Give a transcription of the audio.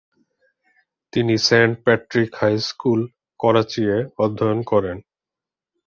তিনি Saint Patrick high school, Karachi এ অধ্যয়ন করেন।